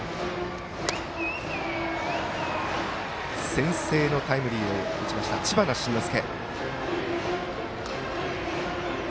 先制のタイムリーを打ちました、知花慎之助。